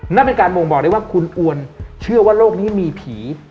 นั่นเป็นการบ่งบอกได้ว่าคุณอวนเชื่อว่าโลกนี้มีผี